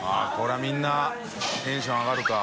海譴みんなテンション上がるか。